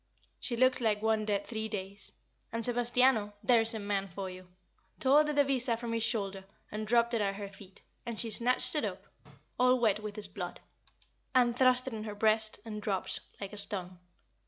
She looked like one dead three days; and Sebastiano there is a man for you! tore the devisa from his shoulder and dropped it at her feet; and she snatched it up all wet with his blood and thrust it in her breast, and dropped like a stone.